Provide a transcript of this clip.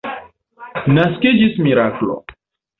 Naskiĝis miraklo.